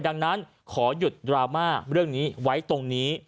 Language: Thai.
ดังนั้นขอหยุดดราม่าเรื่องนี้ไว้ตรงนี้